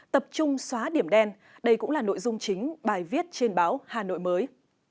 tập trung xóa điểm đen đây cũng là nội dung chính bài viết trên báo hà nội mới